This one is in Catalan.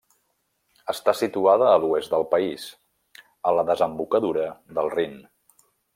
Està situada a l'oest del país, a la desembocadura del Rin.